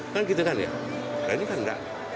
kan gitu kan ya nah ini kan enggak